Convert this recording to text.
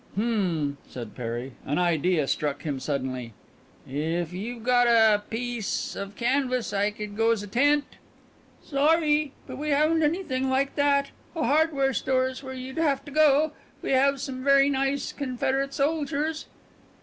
"Hm," said Perry. An idea struck him suddenly. "If you've got a piece of canvas I could go's a tent." "Sorry, but we haven't anything like that. A hardware store is where you'd have to go to. We have some very nice Confederate soldiers."